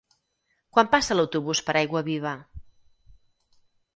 Quan passa l'autobús per Aiguaviva?